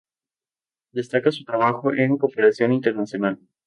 Destaca su trabajo en Cooperación Internacional.